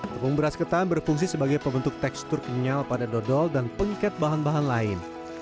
tepung beras ketan berfungsi sebagai pembentuk tekstur kenyal pada dodol dan pengket bahan bahan lain